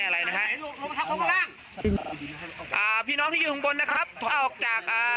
อะไรนะครับอ่าพี่น้องที่อยู่ข้างบนนะครับออกจากอ่า